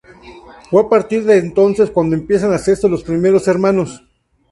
Fue a partir de entonces cuándo empiezan a hacerse los primeros hermanos.